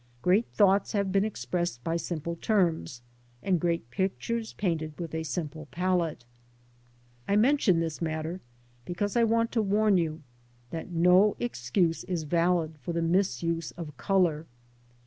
Great thoughts have been expressed by I / siniple^ terms, and great pictures painted with a simple palette. '/ I mention this matter, because I want to warn you that no excuse is valid for the misuse of colour.